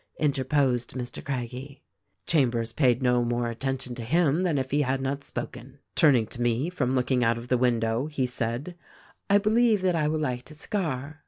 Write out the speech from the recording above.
interposed Mr. Craggie. "Chambers paid no more attention to him than if he had not spoken. "Turning to me from looking out of the window he said, 'I believe that I will light a cigar.